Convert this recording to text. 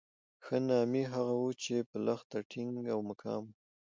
ښه نامي هغه وو چې په لښته ټینګ او مقاوم وو.